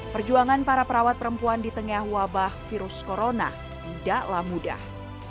perjuangan para perawat perempuan di tengah wabah virus corona tidaklah mudah